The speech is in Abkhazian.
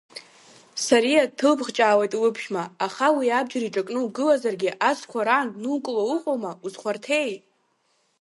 Сариа дҭылбӷҷаауеит лыԥшәма, аха уи абџьар иҿакны угылазаргьы асқәа раан днукыло уҟоума, узхәарҭеи.